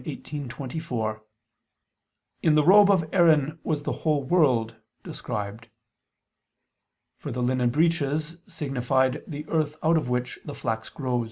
18:24): "In the robe" of Aaron "was the whole world" described. For the linen breeches signified the earth out of which the flax grows.